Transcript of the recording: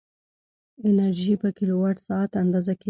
انرژي په کیلووات ساعت اندازه کېږي.